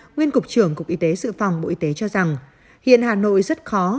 nguyên cục trưởng cục y tế sự phòng bộ y tế cho rằng hiện hà nội rất khó